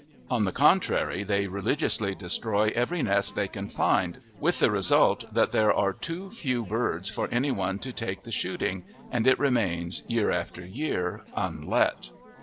On the contrary, they religiously destroy every nest they can find, with the result that there are too few birds for anyone to take the shooting, and it remains year after year unlet.